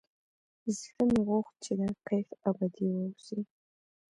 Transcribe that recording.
زړه مې غوښت چې دا کيف ابدي واوسي.